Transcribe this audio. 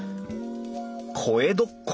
小江戸っ子